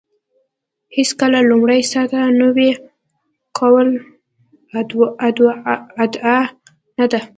هېڅکله لومړۍ سطح نوي کول ادعا نه ده.